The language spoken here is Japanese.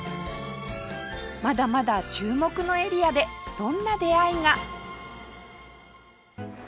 まだまだ注目のエリアでどんな出会いが